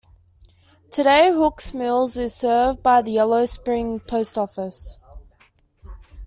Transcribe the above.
Today, Hooks Mills is served by the Yellow Spring post office.